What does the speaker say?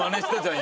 今。